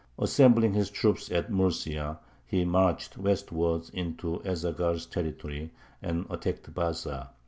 Assembling his troops at Murcia, he marched westwards into Ez Zaghal's territory, and attacked Baza.